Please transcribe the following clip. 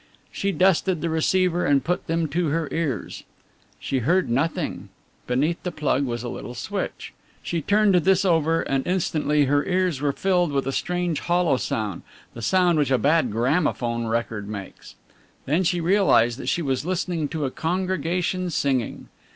She dusted the receiver and put them to her ears. She heard nothing. Beneath the plug was a little switch. She turned this over and instantly her ears were filled with a strange hollow sound the sound which a bad gramophone record makes. Then she realized that she was listening to a congregation singing.